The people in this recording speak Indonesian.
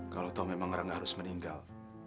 kalau kau memang harus meninggal